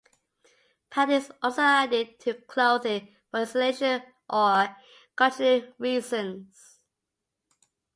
Padding is also added to clothing for insulation or cushioning reasons.